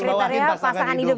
tiga kriteria pasangan hidup